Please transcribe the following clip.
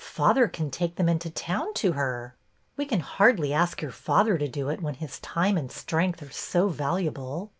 Father can take them into town to her." ''We can hardly ask your father to do it when his time and strength are so valuable.